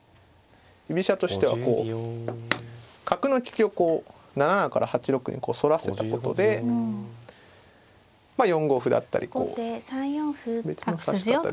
居飛車としてはこう角の利きをこう７七から８六にそらせたことで４五歩だったりこう別の指し方で。